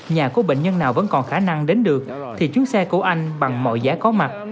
nhà của bệnh nhân nào vẫn còn khả năng đến được thì chuyến xe của anh bằng mọi giá có mặt